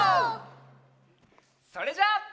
それじゃあ。